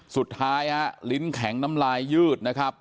สุดท้ายฮะลิ้นแข็งน้ำลายยืดนะครับ